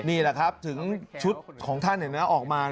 นี่แหละครับถึงชุดของท่านเห็นแล้วออกมา